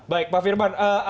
baik pak firman